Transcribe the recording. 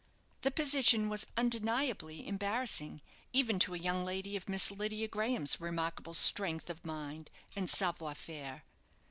The position was undeniably embarrassing even to a young lady of Miss Lydia Graham's remarkable strength of mind, and savoir faire.